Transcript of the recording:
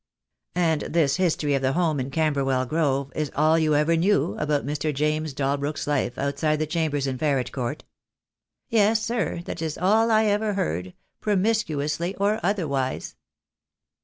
"And this history of the home in Camberwell Grove is all you ever knew about Mr. James Dalbrook's life outside the chambers in Ferret Court?" "Yes, sir, that is all I ever heard, promiscuously or otherwise."